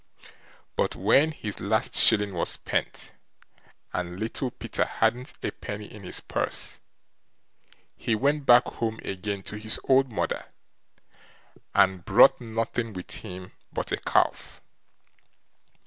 But when his last shilling was spent, and Little Peter hadn't a penny in his purse, he went back home again to his old mother, and brought nothing with him but a calf.